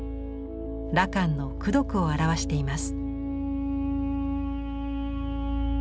羅漢の功徳を表しています。